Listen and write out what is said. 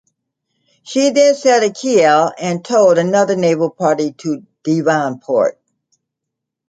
She then sailed to Kiel and took another Naval party to Devonport.